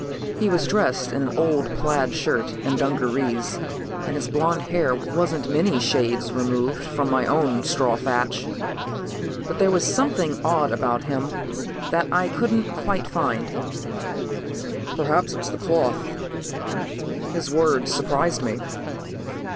He was dressed in an old plaid shirt and dungarees and his blond hair wasn't many shades removed from my own straw thatch. But there was something odd about him that I couldn't quite find. "Perhaps it's the cloth." His words surprised me.